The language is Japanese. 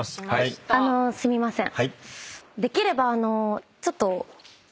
あのすみません。